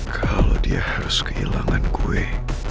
kalau dia harus kehilangan kue